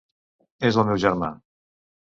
És el meu germà.